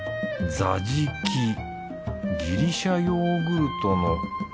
ザジキギリシャヨーグルトの。